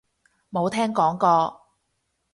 冇聽講過